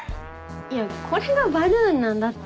いやこれがバルーンなんだって。